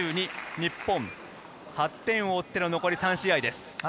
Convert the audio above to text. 日本、８点を追っての残り３試合です。